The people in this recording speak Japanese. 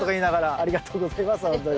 ありがとうございますほんとに。